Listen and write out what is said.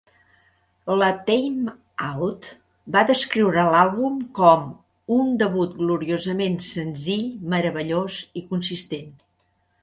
La 'Time Out' va descriure l'àlbum com "un debut gloriosament senzill, meravellós i consistent".